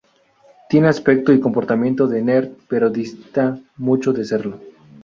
Tiene aspecto y comportamientos de "nerd", pero dista mucho de serlo.